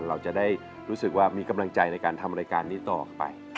เราจะได้รู้สึกว่ามีกำลังใจในการทำรายการนี้ต่อไป